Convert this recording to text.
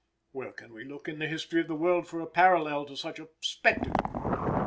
Where can we look in the history of the world for a parallel to such a spectacle?